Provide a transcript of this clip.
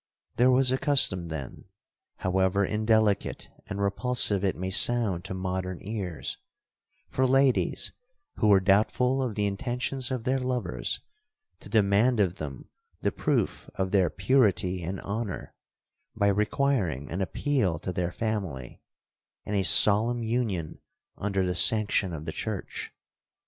'There was a custom then, however indelicate and repulsive it may sound to modern ears, for ladies who were doubtful of the intentions of their lovers to demand of them the proof of their purity and honour, by requiring an appeal to their family, and a solemn union under the sanction of the church.